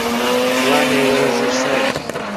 جوانێ وەرە ژوور سەرم